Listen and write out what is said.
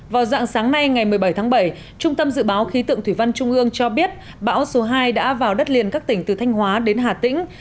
vào dạng sáng nay ngày một mươi bảy tháng bảy trung tâm dự báo khí tượng thủy văn trung ương cho biết bão số hai đã vào đất liền các tỉnh từ thanh hóa đến hà tĩnh